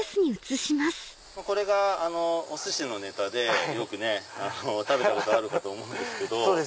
これがおすしのネタで食べたことあると思うんですけど。